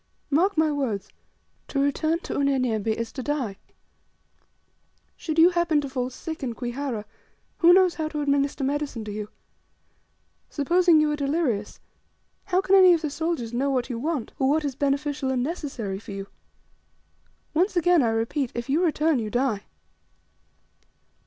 Mark my words to return to Unyanyembe, is to DIE! Should you happen to fall sick in Kwihara who knows how to administer medicine to you? Supposing you are delirious, how can any of the soldiers know what you want, or what is beneficial and necessary for you? Once again, I repeat, if you return, you DIE!"